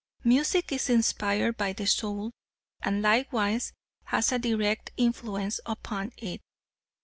Music is inspired by the soul, and likewise has a direct influence upon it.